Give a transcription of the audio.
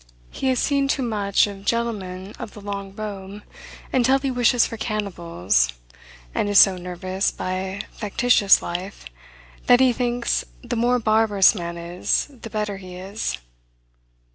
He has seen too much of gentlemen of the long robe, until he wishes for cannibals; and is so nervous, by factitious life, that he thinks, the more barbarous man is, the better he is.